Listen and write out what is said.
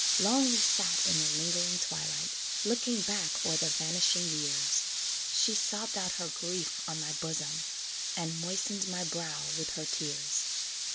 Long we sat in the lingering twilight, Looking back o'er the vanishing years; She sobbed out her grief on my bosom, And moistened my brow with her tears.